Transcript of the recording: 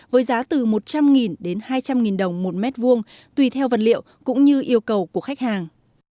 với giá từ một trăm linh đến hai trăm linh đồng một mét vuông tùy theo vật liệu cũng như yêu cầu của khách hàng